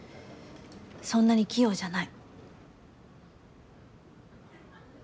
そんなに器用じゃない。